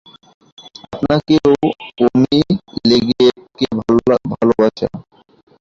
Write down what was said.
আপনাকে ও মি লেগেটকে ভালবাসা।